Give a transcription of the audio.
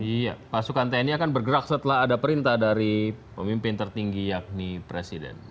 iya pasukan tni akan bergerak setelah ada perintah dari pemimpin tertinggi yakni presiden